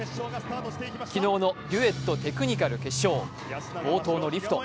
昨日のデュエット・テクニカル決勝冒頭のリフト。